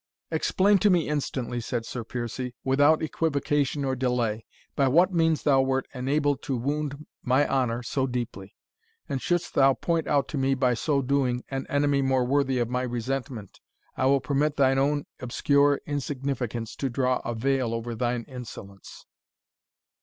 "Explain to me instantly," said Sir Piercie, "without equivocation or delay, by what means thou wert enabled to wound my honour so deeply and shouldst thou point out to me by so doing an enemy more worthy of my resentment, I will permit thine own obscure insignificance to draw a veil over thine insolence."